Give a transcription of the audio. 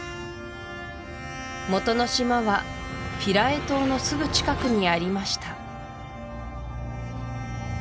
元の島はフィラエ島のすぐ近くにありました